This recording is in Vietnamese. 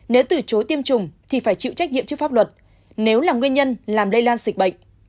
nếu từ chối tiêm chủng thì phải chịu trách nhiệm trước pháp luật nếu là nguyên nhân làm lây lan dịch bệnh